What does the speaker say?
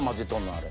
あれ。